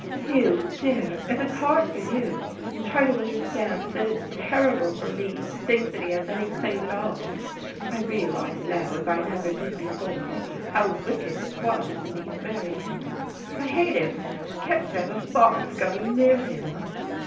"Hugh, dear, if it's hard for you, try to understand that it's terrible for me to think that he has any claim at all. I realize now, as I never did before, how wicked it was in me to marry him. I hate him, I can't bear the thought of going near him."